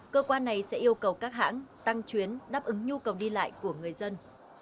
cơ quan này sẽ yêu cầu các hãng tăng chuyến đáp ứng nhu cầu đi lại của người dân